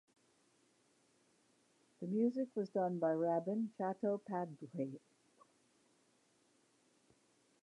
The music direction was done by Rabin Chattopadhyay.